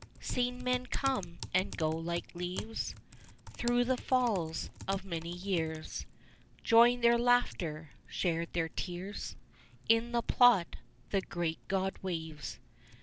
Seen men come and go like leaves Through the falls of many years, Joined their laughter, shared their tears, In the plot the great God weaves.